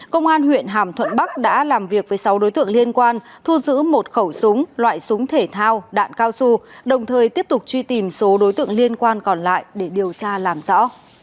công an huyện hàm thuận bắc đã làm việc với sáu đối tượng liên quan thu giữ một khẩu súng loại súng thể thao đạn cao su đồng thời tiếp tục truy tìm số đối tượng liên quan còn lại để điều tra làm rõ